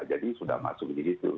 jadi sudah masuk di situ